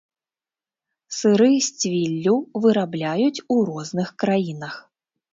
Сыры з цвіллю вырабляюць у розных краінах.